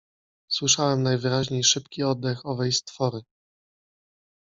Słyszałem najwyraźniej szybki oddech owej stwory.